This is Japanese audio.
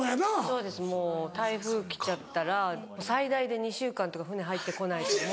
そうですもう台風来ちゃったら最大で２週間とか船入ってこないともう。